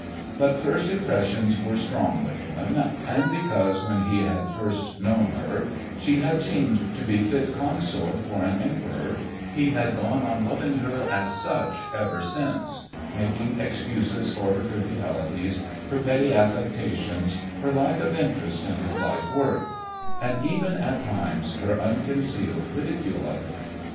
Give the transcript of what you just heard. But first impressions were strong with him, and because when he had first known her she had seemed to be fit consort for an emperor, he had gone on loving her as such ever since, making excuses for her trivialities, her petty affectations, her lack of interest in his life work, and even at times her unconcealed ridicule of it.